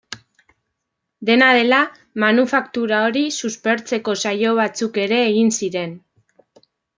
Dena dela, manufaktura hori suspertzeko saio batzuk ere egin ziren.